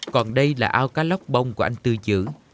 còn đây là ao cá lóc bông của anh tư chữ